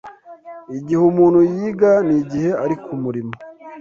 igihe umuntu yiga n’igihe ari ku murimo